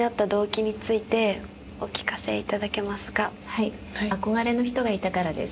はい憧れの人がいたからです。